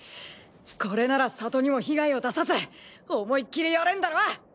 これなら里にも被害を出さず思いっきりやれんだろ？